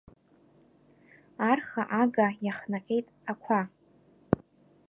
Арха, ага иахнаҟьеит ақәа.